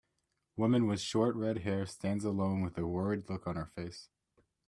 Woman with short redhair stands alone with a worried look on her face.